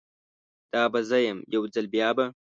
دا به زه یم، یو ځل بیا به